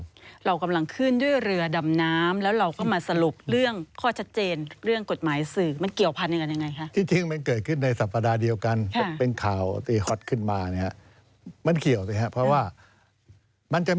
เรากำลังขึ้นด้วยเรือดำน้ำแล้วเราก็มาสรุปเรื่องข้อชัดเจน